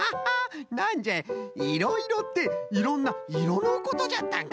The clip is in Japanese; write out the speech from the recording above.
なんじゃいいろいろっていろんないろのことじゃったんか。